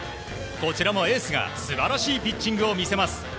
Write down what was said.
こちらもエースが素晴らしいピッチングを見せます。